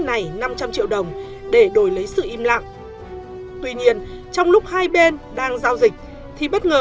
này năm trăm linh triệu đồng để đổi lấy sự im lặng tuy nhiên trong lúc hai bên đang giao dịch thì bất ngờ